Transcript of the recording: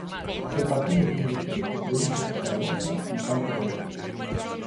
Aquel partido finalizou co triunfo do Zaragoza no campo do Levante.